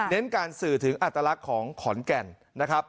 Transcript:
การสื่อถึงอัตลักษณ์ของขอนแก่นนะครับ